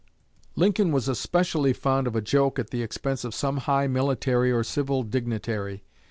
Lincoln was especially fond of a joke at the expense of some high military or civil dignitary.